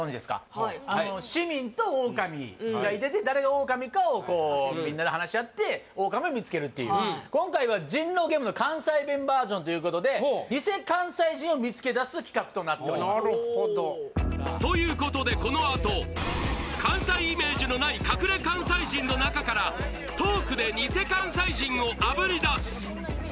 はい市民と狼がいてて誰が狼かをみんなで話し合って狼を見つけるっていう今回は人狼ゲームの関西弁バージョンということでなるほどということでこのあと関西イメージのない隠れ関西人の中からトークでニセ関西人をあぶり出す